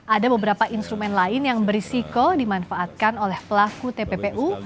ada beberapa instrumen lain yang berisiko dimanfaatkan oleh pelaku tppu